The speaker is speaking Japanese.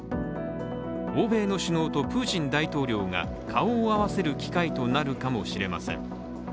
欧米の首脳とプーチン大統領が顔を合わせる機会となるかもしれません。